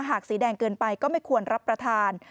สีแดงเกินไปก็ไม่ควรรับประทาน